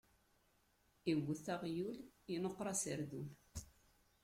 Iwwet aɣyul, inuqeṛ aserdun.